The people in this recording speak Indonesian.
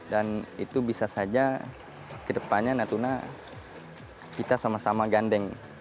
dan itu bisa saja kedepannya natuna kita sama sama gandeng